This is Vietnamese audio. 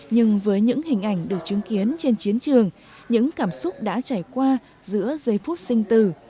nhưng với những hình ảnh được chứng kiến trên chiến trường những cảm xúc đã trải qua giữa giây phút sinh tử